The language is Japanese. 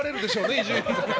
伊集院さん。